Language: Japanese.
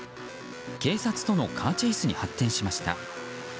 警察とのカーチェイスに発展しました。